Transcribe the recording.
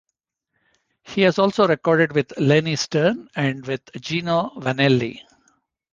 He has also recorded with Leni Stern and with Gino Vannelli.